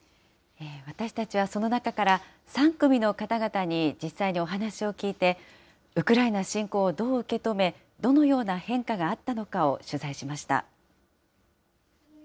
私たちはその中から、３組の方々に実際にお話を聞いて、ウクライナ侵攻をどう受け止め、どのような変化があったのかを取材しました。